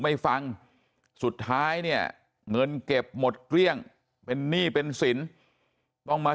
ไม่ฟังสุดท้ายเนี่ยเงินเก็บหมดเกลี้ยงเป็นหนี้เป็นสินต้องมา